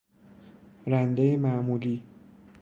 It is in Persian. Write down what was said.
رنده معمولی